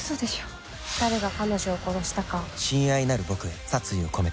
誰が彼女を殺したか。